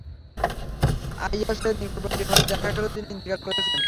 আইয়াসের নিকটবর্তী হলে দেখা গেল তিনি ইন্তেকাল করেছেন।